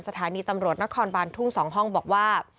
สถานีตำรวจนครบานทุ่ง๒ห้องบอกว่า